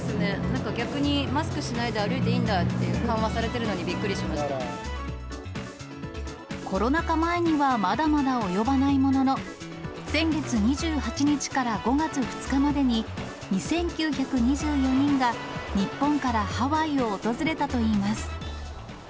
なんか逆に、マスクしないで歩いていいんだって、緩和されてるのにびっくりしコロナ禍前にはまだまだ及ばないものの、先月２８日から５月２日までに２９２４人が、日本からハワイを訪れたといいます。